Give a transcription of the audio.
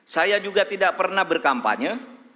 saya juga tidak pernah berkampanye